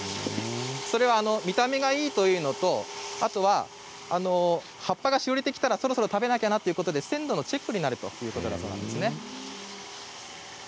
それは見た目がいいということと葉っぱがしおれてきたらそろそろ食べなければいけないなと鮮度のチェックになるということなんですね。